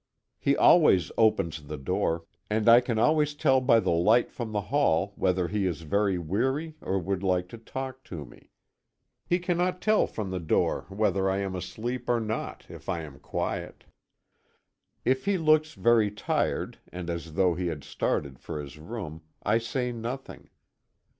He always opens the door, and I can always tell by the light from the hall, whether he is very weary, or would like to talk to me. He cannot tell from the door whether I am asleep or not, if I am quiet. If he looks very tired, and as though he had started for his room, I say nothing.